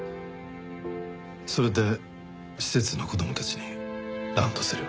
それで施設の子供たちにランドセルを？